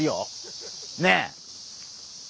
ねえ！